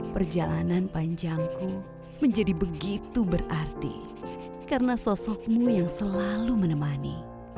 perjalanan panjangku menjadi begitu berarti karena sosokmu yang selalu menemani